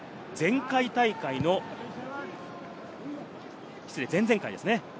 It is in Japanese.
前回大会の、失礼、前々回ですね。